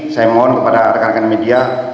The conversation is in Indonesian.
saya mohon kepada rekan rekan media